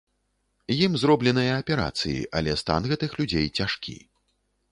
Ім зробленыя аперацыі, але стан гэтых людзей цяжкі.